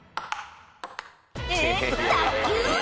えっ卓球？